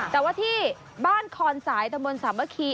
แต่ว่าที่บ้านคอนสายตะมนต์สามัคคี